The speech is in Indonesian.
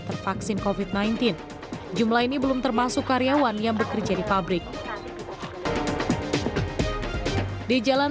tervaksin covid sembilan belas jumlah ini belum termasuk karyawan yang bekerja di pabrik di jalan